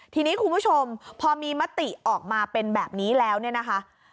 ทีนี้คุณผู้ชมพอมีมติออกมาเป็นแบบนี้แล้วเนี่ยนะคะ